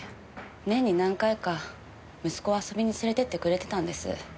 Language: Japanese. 年に何回か息子を遊びに連れてってくれてたんです。